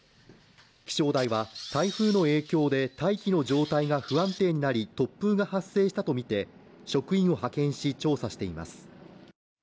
気象台は、台風の影響で大気の状態が不安定になり、突風が発生したとみて職員を派遣し調査しています。